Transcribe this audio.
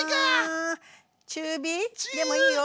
中火？でもいいよ